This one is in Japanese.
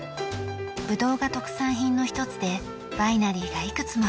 ブドウが特産品の一つでワイナリーがいくつもあります。